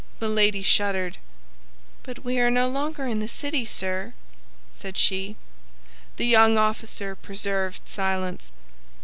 Milady shuddered. "But we are no longer in the city, sir," said she. The young officer preserved silence.